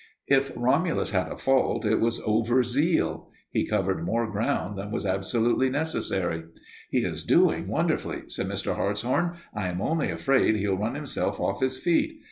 If Romulus had a fault it was overzeal. He covered more ground than was absolutely necessary. "He is doing wonderfully," said Mr. Hartshorn. "I am only afraid he'll run himself off his feet.